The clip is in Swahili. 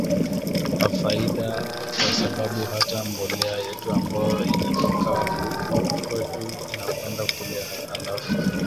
afaida kwa sababu hata mbolea yetu ambayo inatoka huku kwetu inakwenda kule alafu